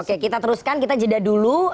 oke kita teruskan kita jeda dulu